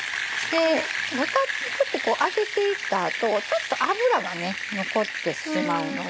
であげていった後ちょっと油が残ってしまうので。